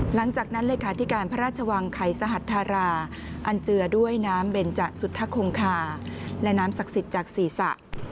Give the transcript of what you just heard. หลังจากนั้นเลขาธิการพระราชวังไขสหัทธาราอันเจือด้วยน้ำเบนจสุธคงคาและน้ำศักดิ์สิทธิ์จากศีรษะ